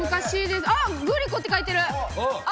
「グリコ」って書いてる。